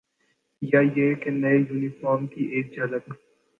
P I A عملے کے نئے یونیفارم کی ایک جھلک